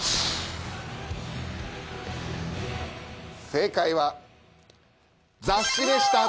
正解は雑誌でした。